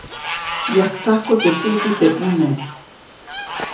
Yajtsajku teʼ tsuʼtsi teʼ mʼuneʼ.